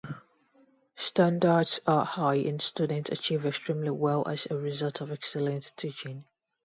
Standards are high and students achieve extremely well as a result of excellent teaching.